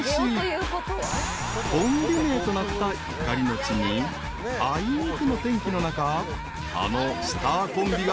［コンビ名となったゆかりの地にあいにくの天気の中あのスターコンビが凱旋］